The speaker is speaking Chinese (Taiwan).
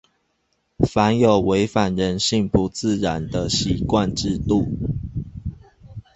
凡有違反人性不自然的習慣制度